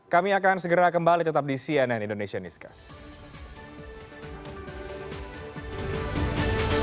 kami akan segera kembali tetap di cnn indonesia newscast